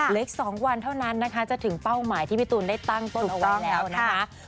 อีก๒วันเท่านั้นนะคะจะถึงเป้าหมายที่พี่ตูนได้ตั้งต้นเอาไว้แล้วนะคะ